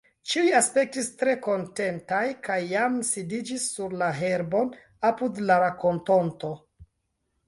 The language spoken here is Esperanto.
Ĉiuj aspektis tre kontentaj kaj jam sidiĝis sur la herbon apud la rakontonto.